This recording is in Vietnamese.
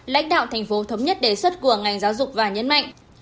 lãnh đạo thành phố thống nhất đề xuất của ngành giáo dục và nhấn mạnh